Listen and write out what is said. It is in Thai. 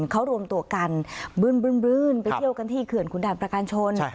เขารวมตัวกันบึ้นไปเที่ยวกันที่เขื่อนขุนด่านประการชน